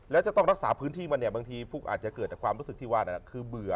แล้วจะต้องรักษาพื้นที่มันเนี่ยบางทีฟุ๊กอาจจะเกิดจากความรู้สึกที่ว่านั้นคือเบื่อ